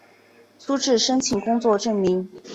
初次申请工作证明